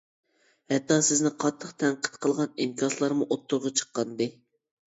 ھەتتا سىزنى قاتتىق تەنقىد قىلغان ئىنكاسلارمۇ ئوتتۇرىغا چىققانىدى.